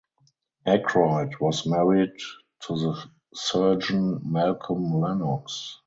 Ackroyd was married to the surgeon Malcolm Lennox.